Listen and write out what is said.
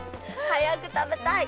早く食べたい！